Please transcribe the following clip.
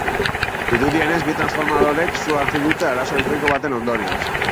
Dirudienez, bi transformadorek su hartu dute, arazo elektrikoren baten ondorioz.